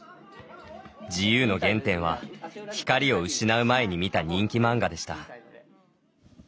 自由の原点は光を失う前に見た人気漫画でした。